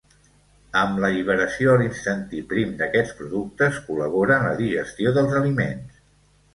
Amb l'alliberació a l'intestí prim d'aquests productes col·labora en la digestió dels aliments.